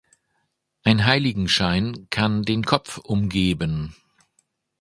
Ein Heiligenschein kann den Kopf umgeben.